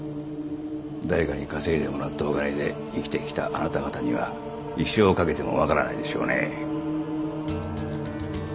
誰かに稼いでもらったお金で生きてきたあなた方には一生かけても分からないでしょうね。